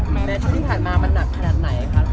ในช่วงที่ผ่านมามันหนักขนาดไหนคะ